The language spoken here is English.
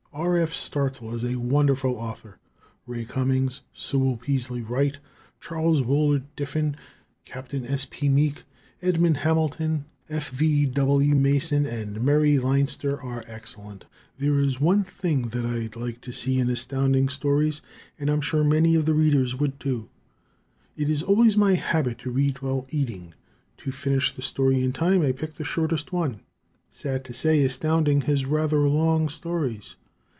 R. F. Starzl is a wonderful author. Ray Cummings, Sewell Peaslee Wright, Charles Willard Diffin, Captain S. P. Meek, Edmond Hamilton, F. V. W. Mason and Murray Leinster are excellent. There is one thing that I'd like to see in Astounding Stories, and I'm sure many of the Readers would, too. It is always my habit to read while eating. To finish the story in time, I pick the shortest one. Sad to say, Astounding has rather long stories.